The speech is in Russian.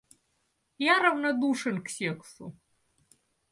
Я равнодушен к сексу.